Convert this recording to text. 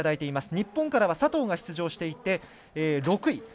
日本からは佐藤が出場していて６位。